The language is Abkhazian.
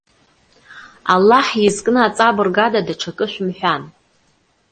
Аллаҳ изкны аҵабырг ада даҽакы шәымҳәан.